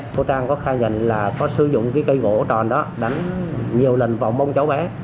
cô trang có khai nhận là có sử dụng cái cây gỗ tròn đó đánh nhiều lần vào bông cháu bé